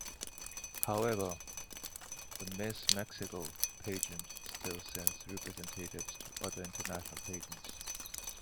However, the "Miss Mexico" pageant still sends representatives to other international pageants.